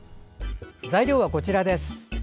材料は、こちらです。